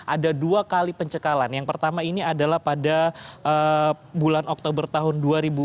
ada dua kali pencekalan yang pertama ini adalah pada bulan oktober tahun dua ribu dua puluh